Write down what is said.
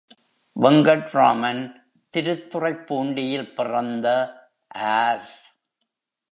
வெங்கட்ராமன் திருத்துறைப்பூண்டியில் பிறந்த ஆர்.